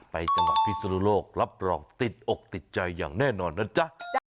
ไปจะมาพิสุนโลกรับรองติดอกติดใจอย่างแน่นอนนะจ๊ะ